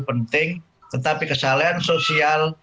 penting tetapi kesalahan sosial